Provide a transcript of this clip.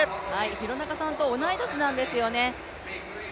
廣中さんと同い年なんですよね。